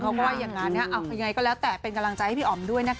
ว่าอย่างนั้นยังไงก็แล้วแต่เป็นกำลังใจให้พี่อ๋อมด้วยนะคะ